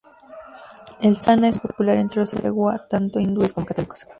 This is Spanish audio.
El "sanna" es popular entre los habitantes de Goa, tanto hindúes como católicos.